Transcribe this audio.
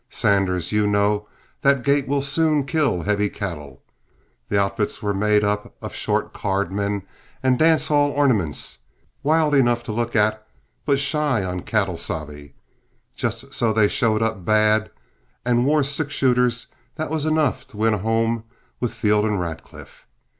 Sanders, you know that gait will soon kill heavy cattle. The outfits were made up of short card men and dance hall ornaments, wild enough to look at, but shy on cattle sabe. Just so they showed up bad and wore a six shooter, that was enough to win a home with Field and Radcliff.